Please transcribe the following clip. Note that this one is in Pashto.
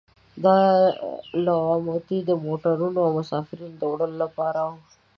دا لوموتي د موټرونو او مسافرینو د وړلو لپاره وو.